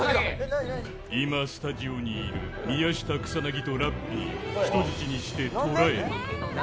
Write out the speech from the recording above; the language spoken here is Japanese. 今、スタジオにいる宮下草薙とラッピーを人質にして捕らえた。